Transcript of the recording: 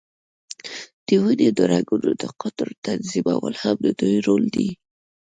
د وینې د رګونو د قطر تنظیمول هم د دوی رول دی.